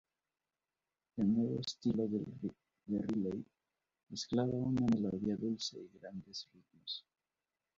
El nuevo estilo de Riley mezclaba una melodía dulce y grandes ritmos.